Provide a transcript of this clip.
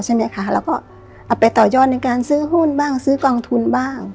ใช่ไหมคะแล้วก็เอาไปต่อยอดในการซื้อหุ้นบ้างซื้อกองทุนบ้าง